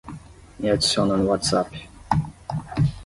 Me adiciona no WhatsApp